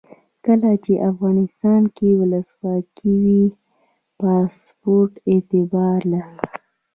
کله چې افغانستان کې ولسواکي وي پاسپورټ اعتبار لري.